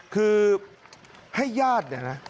คือให้ญาติเนี่ยนะ